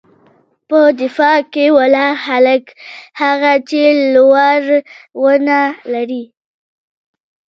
_په دفاع کې ولاړ هلک، هغه چې لوړه ونه لري.